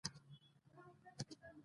غوماشې انسان ته ډېر مزاحمت کوي.